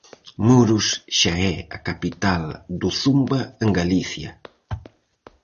Muros xa é a capital do zumba en Galicia.